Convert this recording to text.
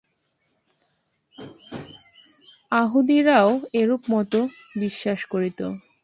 য়াহুদীরাও এরূপ মত বিশ্বাস করিত।